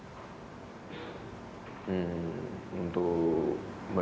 untuk menu menunya kami siapkan menu menu tradisional solo untuk ya porsinya untuk porsi delapan ribu tamu lah